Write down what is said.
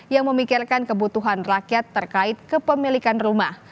yang memikirkan kebutuhan rakyat terkait kepemilikan rumah